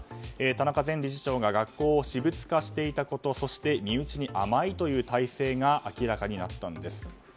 田中前理事長が学校を私物化していたことそして、身内に甘いという体制が明らかになったんです。